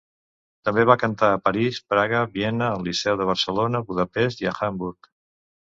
També va cantar a París, Praga, Viena, al Liceu de Barcelona, Budapest i Hamburg.